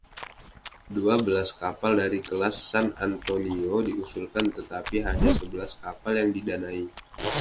Dua belas kapal dari kelas “San Antonio” diusulkan, tetapi hanya sebelas kapal yang didanai.